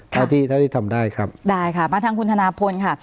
ถ้าที่ทำได้ครับได้ค่ะมาทางคุณธนาพลค่ะ